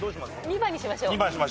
２番にしましょう。